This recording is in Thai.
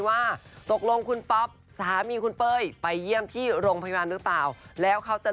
ว่าคุณป๊อบมาไหมก็มานะคะ